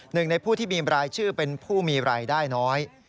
หนึ่งในผู้ที่มีรายชื่อเป็นผู้มีรายได้น้อย